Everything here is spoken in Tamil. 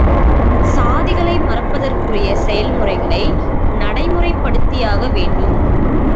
சாதிகளை மறப்பதற்குரிய செயல்முறைகளை நடைமுறைப்படுத்தியாக வேண்டும்.